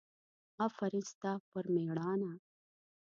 افرین ستا پر مېړانه!